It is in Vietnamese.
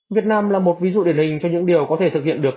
việt nam là một ví dụ điển hình cho những điều có thể thực hiện được